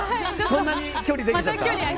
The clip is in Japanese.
そんなに距離できちゃった？